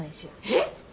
えっ！